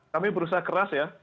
kami berusaha keras ya